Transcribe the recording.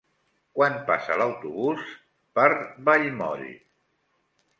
Quan passa l'autobús per Vallmoll?